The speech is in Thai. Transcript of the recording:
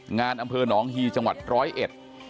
อำเภอหนองฮีจังหวัดร้อยเอ็ด